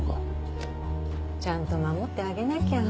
ちゃんと守ってあげなきゃ。